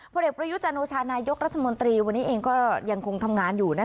เด็กประยุจันโอชานายกรัฐมนตรีวันนี้เองก็ยังคงทำงานอยู่